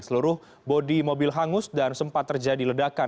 seluruh bodi mobil hangus dan sempat terjadi ledakan